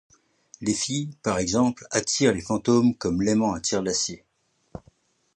Les filles, par exemple, attirent les fantômes comme l’aimant attire l’acier.